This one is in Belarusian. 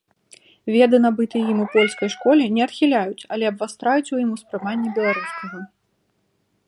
Веды, набытыя ім у польскай школе, не адхіляюць, але абвастраюць у ім успрыманне беларускага.